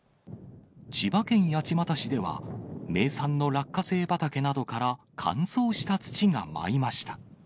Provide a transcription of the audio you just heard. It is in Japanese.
千葉県八街市では、名産の落花生畑などから乾燥した土が舞いました。